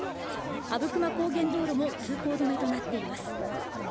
あぶくま高原道路も通行止めとなっています。